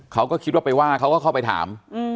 เขาก็คิดว่าไปว่าเขาก็เข้าไปถาม